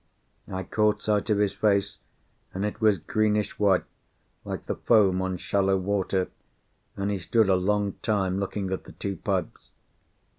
I caught sight of his face, and it was greenish white, like the foam on shallow water, and he stood a long time looking at the two pipes.